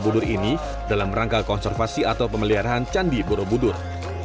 itu nanti harus memakai sandal upanat itu yang memproduksi juga masyarakat borobudur